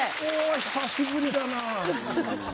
お久しぶりだな。